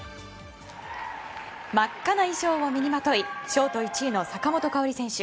真っ赤な衣装を身にまといショート１位の坂本花織選手